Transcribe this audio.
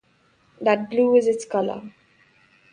That blue is its colour.